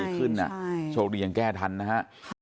ขึ้นโชคดียังแก้ทันนะฮะ